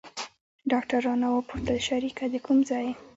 ډاکتر رانه وپوښتل شريکه د کوم ځاى يې.